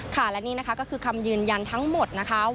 คราวนี้นะคะคำยืนยันทั้งหมด